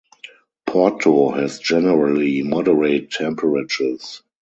Porto has generally moderate temperatures.